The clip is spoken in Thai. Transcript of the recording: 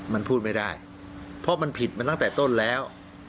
มันพูดไม่ได้เพราะมันผิดมาตั้งแต่ต้นแล้ว